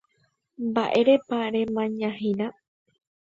Mba'érepa remañahína.